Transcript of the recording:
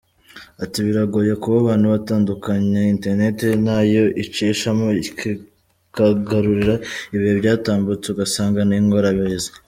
Ati “Biragoye kuba abantu badutandukanya, internet nayo icishamo ikagarura ibihe byatambutse ugasanga ni ingorabahizi”.